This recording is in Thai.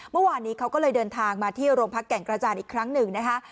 เมื่อวานนี้เขาก็เลยเดินทางมาที่โรงพักแก่งกระจานอีกครั้งหนึ่งนะคะ